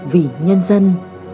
vì nhân dân